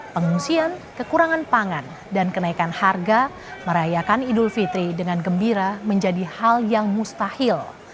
pengungsian kekurangan pangan dan kenaikan harga merayakan idul fitri dengan gembira menjadi hal yang mustahil